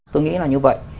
tôi nghĩ là như vậy